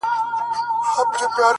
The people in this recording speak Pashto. اوښکي نه راتویومه خو ژړا کړم _